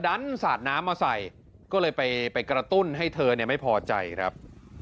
สาดน้ำมาใส่ก็เลยไปกระตุ้นให้เธอไม่พอใจครับ